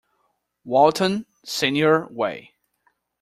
Walton, Senior Way.